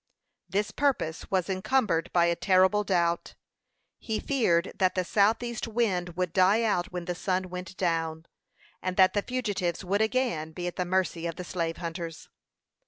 This purpose was encumbered by a terrible doubt; he feared that the south east wind would die out when the sun went down, and that the fugitives would again be at the mercy of the slave hunters.